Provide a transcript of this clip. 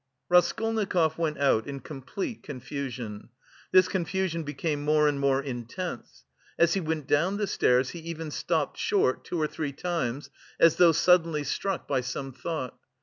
Raskolnikov went out in complete confusion. This confusion became more and more intense. As he went down the stairs, he even stopped short, two or three times, as though suddenly struck by some thought.